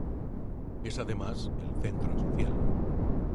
Es además el centro social.